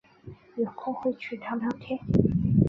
有空会去聊聊天